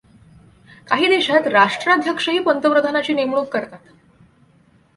काही देशात राष्ट्राध्यक्षही पंतप्रधानाची नेमणूक करतात.